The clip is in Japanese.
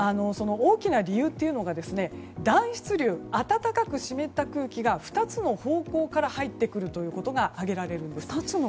大きな理由が暖湿流、暖かく湿った空気が２つの方向から入ってくるということが挙げられるんです。